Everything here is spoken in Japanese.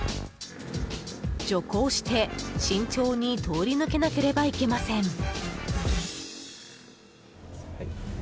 徐行して慎重に通り抜けなければいけません。